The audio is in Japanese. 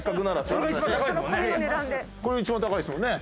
これが一番高いんですもんね？